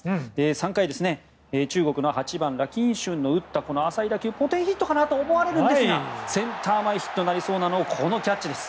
３回、中国の８番ラ・キンシュンの打った浅い打球ポテンヒットかなと思われるんですがセンター前ヒットになりそうなのをこのキャッチです。